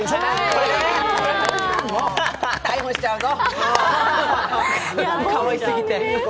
逮捕しちゃうぞ。